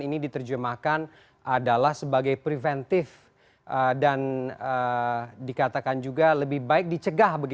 ini diterjemahkan adalah sebagai preventif dan dikatakan juga lebih baik dicegah